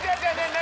何？